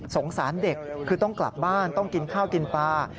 สารเด็กคือต้องกลับบ้านต้องกินข้าวกินปลา